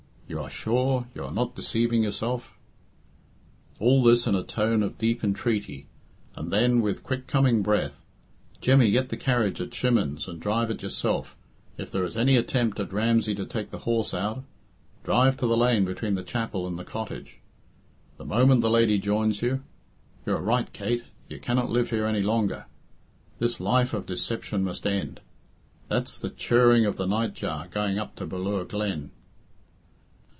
you are sure you are not deceiving yourself?" All this in a tone of deep entreaty, and then, with quick coming breath, "Jemmy, get the carriage at Shimmin's and drive it yourself if there is any attempt at Ramsey to take the horse out drive to the lane between the chapel and the cottage the moment the lady joins you you are right, Kate you cannot live here any longer this life of deception must end that's the churring of the night jar going up to Ballure Glen."